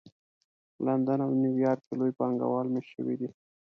لندن او نیویارک کې لوی پانګه وال مېشت شوي دي